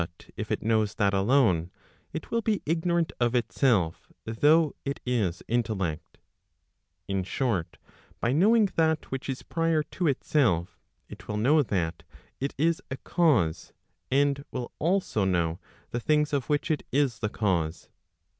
But if it knows that alone, it will be ignorant of itself, though it is intellect. In short, by knowing that which is prior to itself, it will know that it is a cause, and will also know the things of which it is the cause.